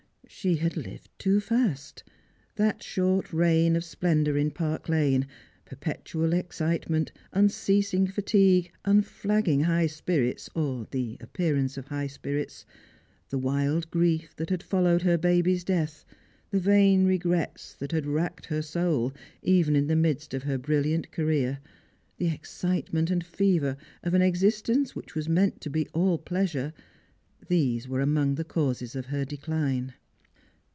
She had lived too fast. That shoi't reign of splendour in Park lane, perj^etual excitement, unceasing fatigue, unflagging high spirits or the appearance of high spirits, the wild grief that had followed her baby's death, the vain regrets that had racked her soul even in the midst of her brilliant career, the excitement and fever of an existence which was meant to be all pleasure — these were among the causes of her decline.